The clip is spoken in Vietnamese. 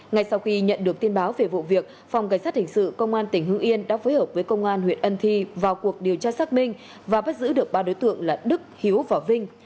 ngay sau khi nhận được tin báo về vụ việc phòng cảnh sát hình sự công an tỉnh hưng yên đã phối hợp với công an huyện ân thi vào cuộc điều tra xác minh và bắt giữ được ba đối tượng là đức hiếu và vinh